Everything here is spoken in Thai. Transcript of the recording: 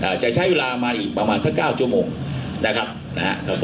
จะใช้เวลามาอีกประมาณสักเก้าชั่วโมงนะครับนะฮะครับ